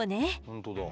本当だ。